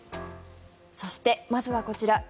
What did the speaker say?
そして、まずはこちら。